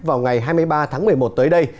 vào ngày hai mươi ba tháng một mươi một tới đây